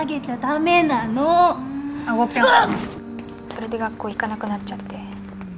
それで学校行かなくなっちゃって。